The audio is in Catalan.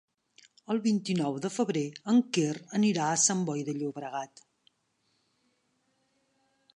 El vint-i-nou de febrer en Quer anirà a Sant Boi de Llobregat.